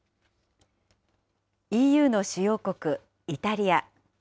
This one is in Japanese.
ＥＵの主要国イタリア。